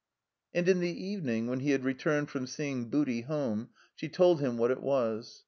And in the evening, when he had returned from seeing Booty home, she told him what it was.